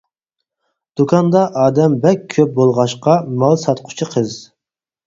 دۇكاندا ئادەم بەك كۆپ بولغاچقا مال ساتقۇچى قىز.